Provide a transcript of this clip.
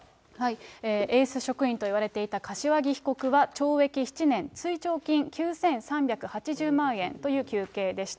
エース職員といわれていた柏木被告は懲役７年、追徴金９３８０万円という求刑でした。